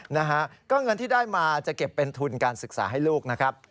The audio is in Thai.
นะฮะก็เงินที่ได้มาจะเก็บเป็นทุนการศึกษาให้ลูกนะครับ